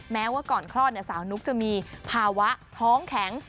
แม้ว่าก่อนคลอดสาวนุ๊กจะมีภาวะท้องแข็ง